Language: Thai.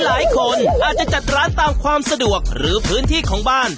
หลายคนอาจจะจัดร้านตามความสะดวกหรือพื้นที่ของบ้าน